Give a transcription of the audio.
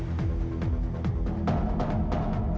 ndang kekasih tuh ata